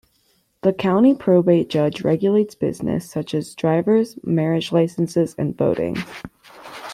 The County Probate Judge regulates business such as drivers, marriage licences, and voting.